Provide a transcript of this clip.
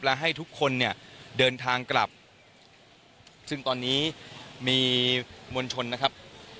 และให้ทุกคนเนี่ยเดินทางกลับซึ่งตอนนี้มีมวลชนนะครับ